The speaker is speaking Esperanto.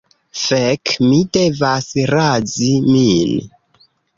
Fek' mi devas razi min